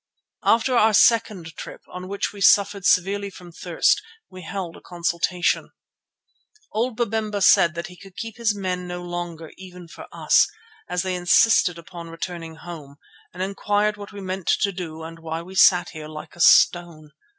After our second trip, on which we suffered severely from thirst, we held a consultation. Old Babemba said that he could keep his men no longer, even for us, as they insisted upon returning home, and inquired what we meant to do and why we sat here "like a stone."